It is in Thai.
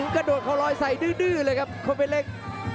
กระโดดเขาลอยใส่ดื้อเลยครับโคมเพชรเล็กซ์